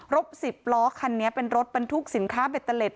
รถ๑๐ล้อคันนี้เป็นรถบันทุกษินค้าเบ็ทเตอร์แหลด